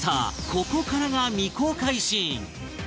ここからが未公開シーン